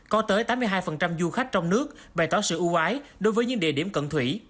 có tới tám mươi hai du khách trong nước bày tỏ sự ưu ái đối với những địa điểm cận thủy